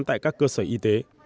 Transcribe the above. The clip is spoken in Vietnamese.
tại các cơ sở y tế